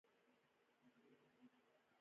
څنګه څوک له دې قدرته ګټه واخیستلای شي